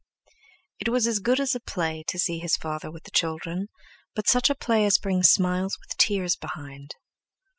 It was as good as a play to see his father with the children, but such a play as brings smiles with tears behind.